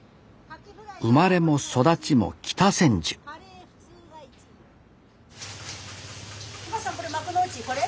生まれも育ちも北千住これ幕の内これ？